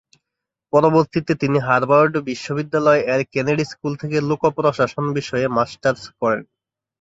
পরবর্তীতে তিনি হার্ভার্ড বিশ্ববিদ্যালয়-এর কেনেডি স্কুল থেকে লোক প্রশাসন বিষয়ে মাস্টার্স করেন।